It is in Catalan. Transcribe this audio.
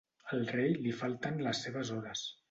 Al rei li falten les seves hores.